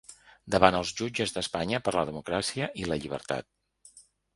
Davant els jutges d’Espanya per la democràcia i la llibertat.